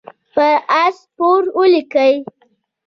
پر آس سپور ولیکئ.